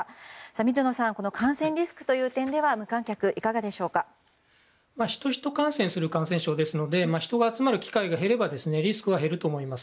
水野さん、感染リスクという点では無観客はヒト‐ヒト感染する感染症ですので人が集まる機会が減ればリスクは減ると思います。